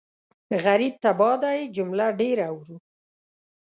غريب تباه دی جمله ډېره اورو